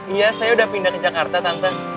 iya saya udah pindah ke jakarta tante